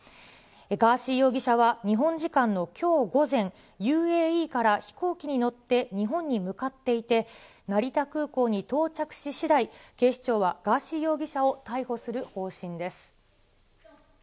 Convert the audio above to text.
ガーシー容疑者は日本時間のきょう午前、ＵＡＥから飛行機に乗って日本に向かっていて、成田空港に到着ししだい、警視庁はガーシー容疑者を逮捕する方針です。